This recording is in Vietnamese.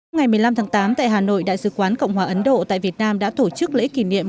ngày một mươi năm tháng tám tại hà nội đại sứ quán cộng hòa ấn độ tại việt nam đã tổ chức lễ kỷ niệm